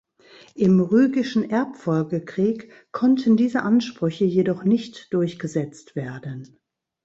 Im Rügischen Erbfolgekrieg konnten diese Ansprüche jedoch nicht durchgesetzt werden.